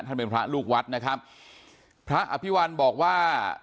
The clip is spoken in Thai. เป็นพระลูกวัดนะครับพระอภิวัลบอกว่า